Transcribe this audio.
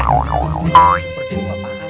nenek bukan kita dapat janjian